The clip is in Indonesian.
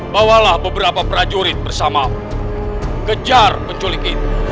bawalah beberapa prajurit bersama kejar penculikan